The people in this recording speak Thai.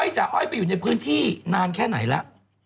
อ้อยจะอ้อยไปอยู่ในพื้นที่นานแค่ไหนละ